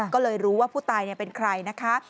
ก็เลยรู้ว่าผู้ตายเป็นใครนะคะ